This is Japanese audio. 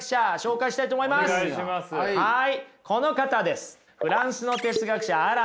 はい。